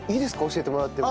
教えてもらっても。